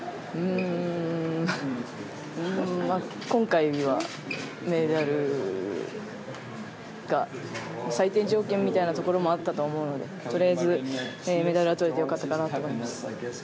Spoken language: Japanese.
今回はメダルが最低条件みたいなところもあったと思うのでとりあえずメダルはとれて良かったかなと思います。